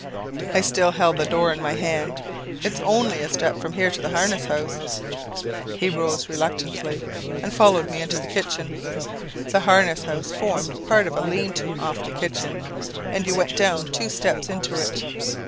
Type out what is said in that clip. "I still held the door in my hand. 'It's only a step from here to the harness house.' "He rose reluctantly, and followed me into the kitchen. The harness house formed part of a lean to off the kitchen, and you went down two steps into it.